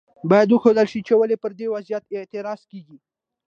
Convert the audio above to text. باید وښودل شي چې ولې پر دې وضعیت اعتراض کیږي.